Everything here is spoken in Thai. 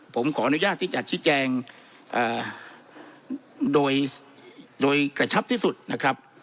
ผมขออนุญาตที่จะชี้แจงโดยกระชับที่สุดนะครับ